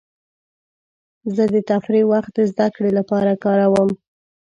زه د تفریح وخت د زدهکړې لپاره کاروم.